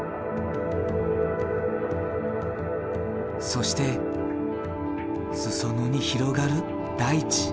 そして裾野に広がる大地。